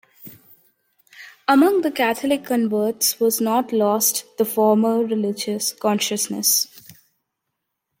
Among the Catholic converts was not lost the former religious consciousness.